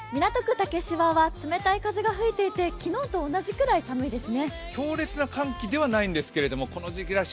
竹芝は冷たい風が吹いていて昨日と同じぐらい寒いですね。